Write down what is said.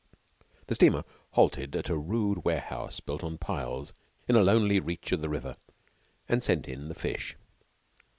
The steamer halted at a rude wooden warehouse built on piles in a lonely reach of the river, and sent in the fish.